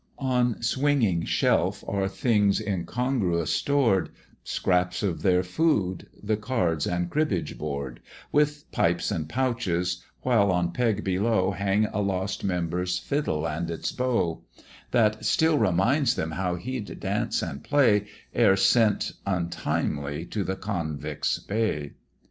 On swinging shelf are things incongruous stored, Scraps of their food, the cards and cribbage board, With pipes and pouches; while on peg below, Hang a lost member's fiddle and its bow; That still reminds them how he'd dance and play, Ere sent untimely to the Convicts' Bay.